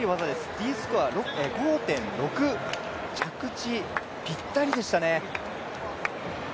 Ｄスコア５．６、着地、ぴったりでしたね。